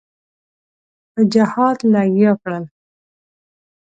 په جهاد لګیا کړل.